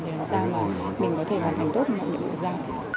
để làm sao mình có thể hoàn thành tốt mọi nhiệm vụ ra